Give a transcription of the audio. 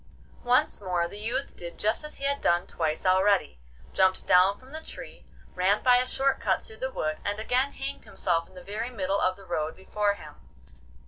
Once more the youth did just as he had done twice already; jumped down from the tree, ran by a short cut through the wood, and again hanged himself in the very middle of the road before him.